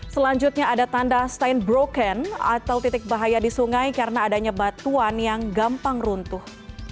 selanjutnya ada tanda stein broken atau titik bahaya di sungai karena adanya batuan yang gampang runtuh